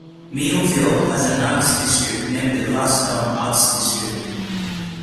Millville has an arts district named the Glasstown Arts District.